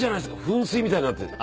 噴水みたいになってる。